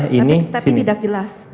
tapi tidak jelas